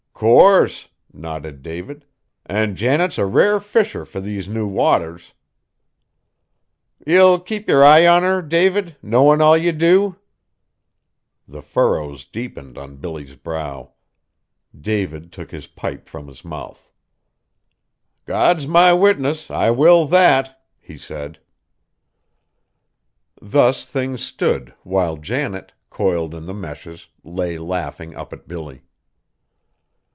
"Course!" nodded David; "an' Janet's a rare fisher fur these new waters." "Ye'll keep yer eye on her, David knowin' all ye do?" The furrows deepened on Billy's brow. David took his pipe from his mouth. "God's my witness! I will that!" he said. Thus things stood while Janet, coiled in the meshes, lay laughing up at Billy.